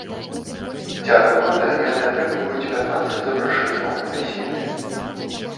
Цягам года яны атрымліваюць пятнаццаць запрашэнняў на вяселле.